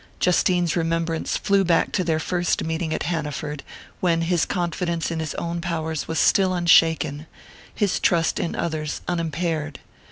Justine's remembrance flew back to their first meeting at Hanaford, when his confidence in his own powers was still unshaken, his trust in others unimpaired.